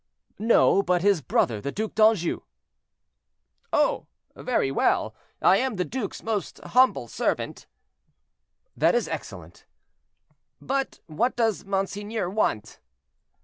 "No, but his brother, the Duc d'Anjou." "Oh! very well! I am the duke's most humble servant." "That is excellent." "But what does monseigneur want?"